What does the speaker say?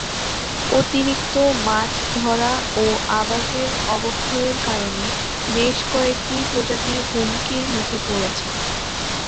অতিরিক্ত মাছ ধরা ও আবাসের অবক্ষয়ের কারণে বেশ কয়েকটি প্রজাতি হুমকির মুখে পড়েছে।